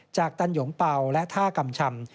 ตันหยงเป่าและท่ากำชำ